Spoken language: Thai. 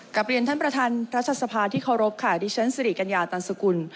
กลับเรียนท่านประธานรัฐสภาที่เคารพค่ะดิฉันสิริกัญญาตันสกุล